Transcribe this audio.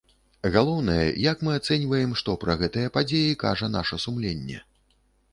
Галоўнае, як мы ацэньваем, што пра гэтыя падзеі кажа наша сумленне.